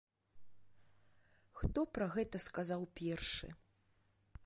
Хто пра гэта сказаў першы?